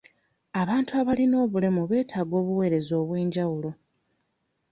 Abantu abalina obulemu beetaaga obuweereza obw'enjawulo.